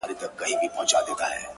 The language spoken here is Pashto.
داده پښـــــتانه اشـــــــنــــٰــا”